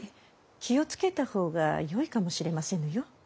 気を付けたほうがよいかもしれませぬよ。